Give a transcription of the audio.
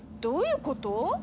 どういうこと？